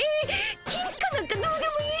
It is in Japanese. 金貨なんかどうでもいい。